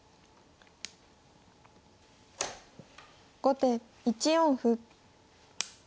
後手１四歩。